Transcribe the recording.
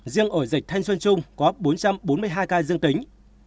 riêng ổ dịch thanh xuân trung có bốn trăm bốn mươi hai ca dương tính